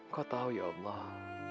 kau tahu ya allah